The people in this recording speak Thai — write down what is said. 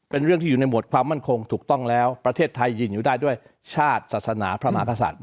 เป็นเรื่องที่อยู่ในหวดความมั่นคงถูกต้องแล้วประเทศไทยยืนอยู่ได้ด้วยชาติศาสนาพระมหากษัตริย์